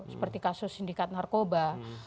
seperti kasus sindikat narkoba